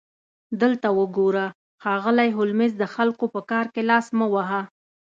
دلته وګوره ښاغلی هولمز د خلکو په کار کې لاس مه وهه